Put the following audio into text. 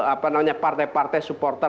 apa namanya partai partai supporter